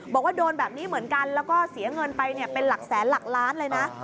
บอกว่าโดนแบบนี้เหมือนกันแล้วก็เสียเงินไปเป็นหลักแสนหลักล้านเลยนะ